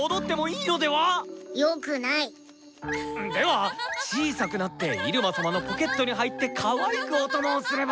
では小さくなってイルマ様のポケットに入ってかわいくお供をすれば。